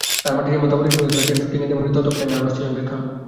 তবে মাঠে যেমন দাপটের সঙ্গে খেলেছেন শুটিংয়ে নাকি ততটাই নার্ভাস ছিলেন বেকহাম।